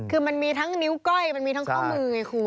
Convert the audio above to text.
คือมันมีทั้งนิ้วก้อยมันมีทั้งข้อมือไงคุณ